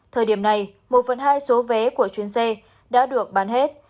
thời điểm này một phần hai số vé của chuyến xe đã được bán hết